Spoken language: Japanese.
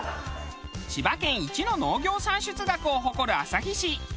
千葉県一の農業産出額を誇る旭市。